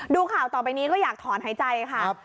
ดูข่าวต่อไปนี้ก็อยากถอนหายใจค่ะ